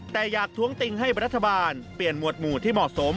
แต่อยากท้วงติงให้รัฐบาลเปลี่ยนหวดหมู่ที่เหมาะสม